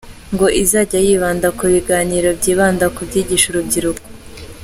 Ngo izajya yibanda ku biganiro byibanda ku byigisha urubyiruko.